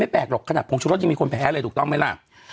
ผงชุดรสยังมีคนแพ้เลยถูกต้องไหมล่ะ